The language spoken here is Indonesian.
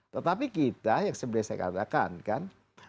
tetapi kita yang seperti saya katakan kan